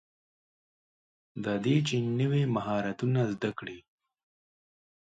دا دی چې نوي مهارتونه زده کړئ.